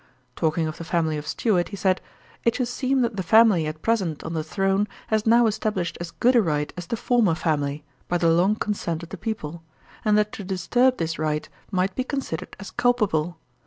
Talking of the family of Stuart, he said, 'It should seem that the family at present on the throne has now established as good a right as the former family, by the long consent of the people; and that to disturb this right might be considered as culpable.